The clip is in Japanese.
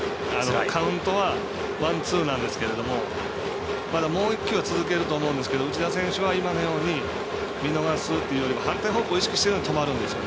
カウントはワンツーなんですけどまだもう１球は続けると思うんですけど内田選手は今のように見逃すというよりも反対方向を意識して止まるんです。